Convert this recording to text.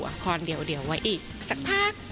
คอนเดี๋ยวไว้อีกสักพัก